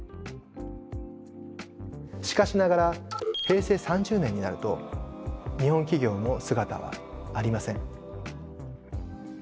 しかしながら平成３０年になると日本企業の姿はありません。